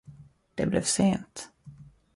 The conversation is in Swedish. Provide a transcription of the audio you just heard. Det blev sent.